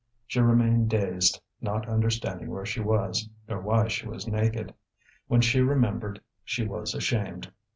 She remained dazed, not understanding where she was, nor why she was naked. When she remembered she was ashamed.